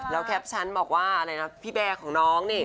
แล้วแคปชันบอกว่าพี่แบร์รี่ของน้อง